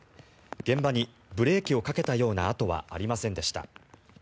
現場にブレーキをかけたような跡はありませんでした。